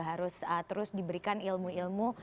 harus terus diberikan ilmu ilmu